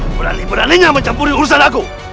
berani beraninya mencampuri urusan aku